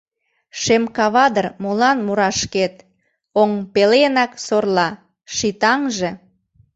Шем кава дыр молан мура шкет, Оҥ пеленак сорла — ший таҥже?